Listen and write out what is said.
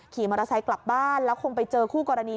ขี่มอเตอร์ไซค์กลับบ้านแล้วคงไปเจอคู่กรณี